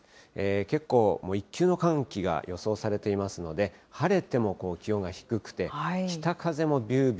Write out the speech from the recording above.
結構、一級の寒気が予想されていますので、晴れても気温が低くて、北風もびゅーび